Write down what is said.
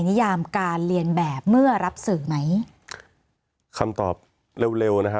มีความรู้สึกว่ามีความรู้สึกว่ามีความรู้สึกว่า